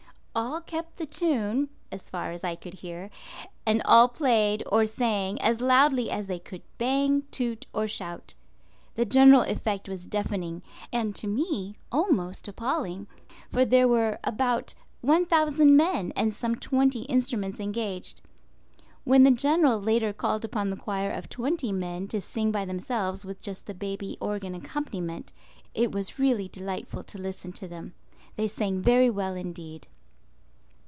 All kept the tune, as far as I could hear, and all played or sang as loudly as they could bang, toot, or shout. The general effect was deafening, and to me almost appalling, for there were about 1,000 men and some twenty instruments engaged. When the General later called upon the choir of twenty men to sing by themselves with just the baby organ accompaniment, it was really delightful to listen to them. They sang very well indeed.